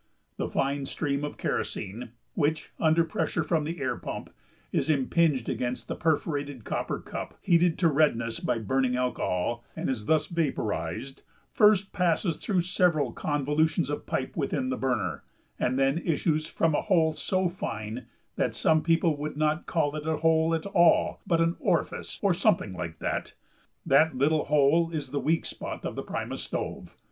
The fine stream of kerosene which, under pressure from the air pump, is impinged against the perforated copper cup, heated to redness by burning alcohol, and is thus vaporized first passes through several convolutions of pipe within the burner, and then issues from a hole so fine that some people would not call it a hole at all but an orifice or something like that. That little hole is the weak spot of the primus stove.